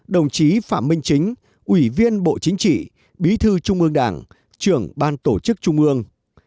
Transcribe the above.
đồng chí phạm minh chính ủy viên bộ chính trị bí thư trung ương đảng trưởng ban tổ chức trung ương